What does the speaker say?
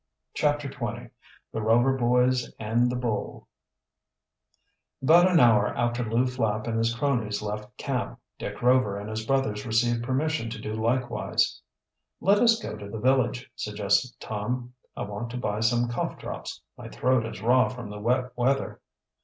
CHAPTER XX THE ROVER BOYS AND THE BULL About an hour after Lew Flapp and his cronies left camp, Dick Rover and his brothers received permission to do likewise. "Let us go to the village," suggested Tom. "I want to buy some cough drops. My throat is raw from the wet weather."